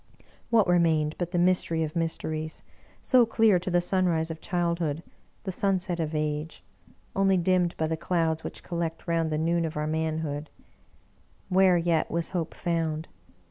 What remained but the mystery of mysteries, so clear to the sunrise of childhood, the sunset of age, only dimmed by the clouds which collect round the noon of our manhood? Where yet was Hope found?